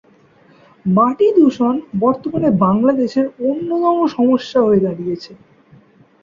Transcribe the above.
মাটি দূষণ বর্তমানে বাংলাদেশের অন্যতম সমস্যা হয়ে দাঁড়িয়েছে।